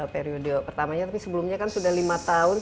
periode pertamanya tapi sebelumnya kan sudah lima tahun